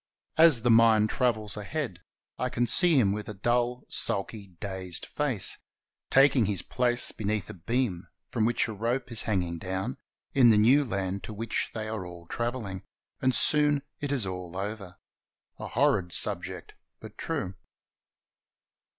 As the mind travels ahead, I can see him with a dull, sulky, dazed face, taking his place beneath a beam from which a rope is hanging down, in the new land to which they are all traveling, and soon it is all over. A horrid subject, but true.